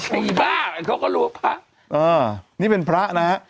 ไอ้บ้าเหมือนเขาก็รู้ว่าพระอ่านี่เป็นพระนะฮะ